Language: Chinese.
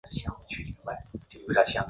奥斯陆自由论坛创办者是。